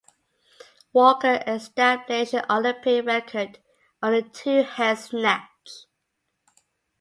Walker established an Olympic record on the two hands snatch.